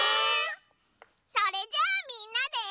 それじゃあみんなで。